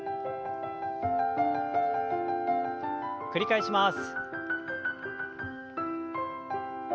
繰り返します。